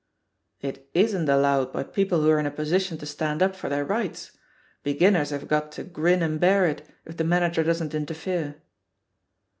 It imft allowed by people who're in a position to stand up for their rights. Beginpers have got to grin and bear it, if the manager doesn't inter fere."